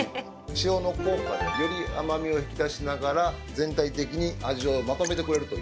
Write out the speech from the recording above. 塩の効果でより甘みを引き出しながら全体的に味をまとめてくれるという。